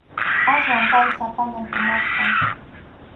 Aswan pay sapallan tumasqa.